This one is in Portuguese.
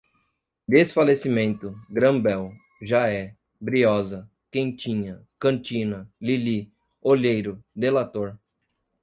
desfalecimento, gran bell, já é, briosa, quentinha, cantina, lili, olheiro, delator